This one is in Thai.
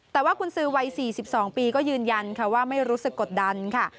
แต่ว่ากุญสือวัย๔๒ปีก็ยืนยันค่ะว่าไม่รู้สึกกดดันค่ะ